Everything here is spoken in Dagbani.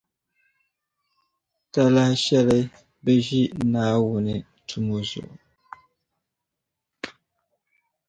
Talahi shɛli bɛʒe Naawuni tumo zuɣu